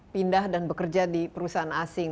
pindah dan bekerja di perusahaan asing